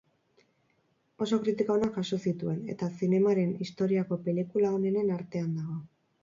Oso kritika onak jaso zituen, eta zinemaren historiako pelikula onenen artean dago.